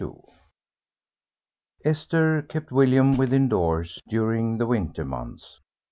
XLII Esther kept William within doors during the winter months.